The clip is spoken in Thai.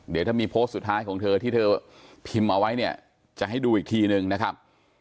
เดี๋ยวถ้ามีโพสต์สุดท้ายของเธอที่เธอพิมพ์เอาไว้เนี่ยจะให้ดูอีกทีนึงนะครับ